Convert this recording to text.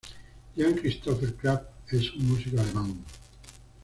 Jean-Christophe Krafft es un músico alemán.